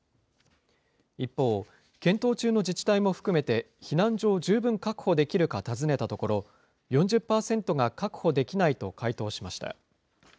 一方、検討中の自治体も含めて、避難所を十分確保できるか尋ねたところ、４０％が確保できないと回答しました。